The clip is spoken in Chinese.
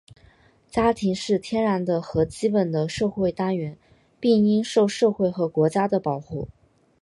家庭是天然的和基本的社会单元,并应受社会和国家的保护。